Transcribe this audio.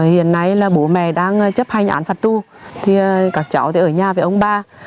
hôm nay là bố mẹ đang chấp hành án phật tu thì các cháu thì ở nhà với ông bà